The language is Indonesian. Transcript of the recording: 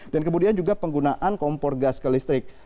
dan kemudian juga penggunaan kompor gas ke listrik